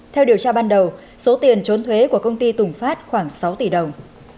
theo điều tra ban đầu số tiền trốn thuế của công ty tùng phát khoảng sáu tỷ đồng